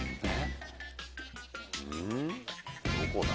どこだ？